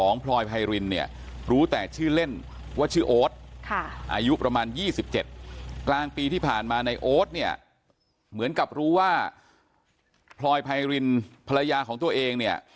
ในโอ๊ทเหมือนกับรู้ว่าพลอยไพรินพรรยาของตัวเองเนี่ย